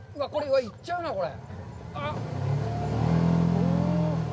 行っちゃうな、これ。